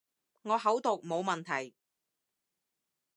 我口讀冇問題